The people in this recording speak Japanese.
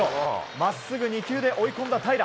まっすぐ２球で追い込んだ平良。